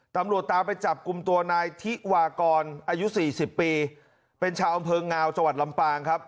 ตำรวจตามไปจับกลุ่มตัวนายทิวากรอายุ๔๐ปีเป็นชาวอำเภองาวจังหวัดลำปางครับ